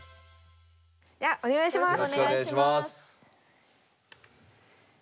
じゃあお願いします。